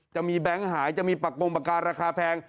แบงค์หายจะมีปากกงปากการาคาแพง